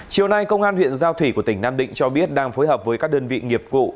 chiều nay công an huyện giao thủy của tỉnh nam định cho biết đang phối hợp với các đơn vị nghiệp vụ